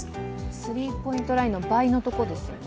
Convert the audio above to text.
スリーポイントラインの倍のところですよね。